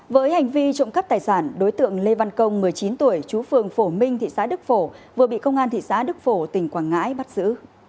với hành vi trộm cắp tài sản đối tượng lê văn công một mươi chín tuổi chú phường phổ minh thị xã đức phổ vừa bị công an thị xã đức phổ tỉnh quảng ngãi bắt giữ